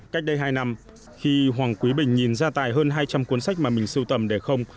cách đây hai năm khi hoàng quý bình nhìn ra tài hơn hai trăm linh cuốn sách mà mình sưu tầm để không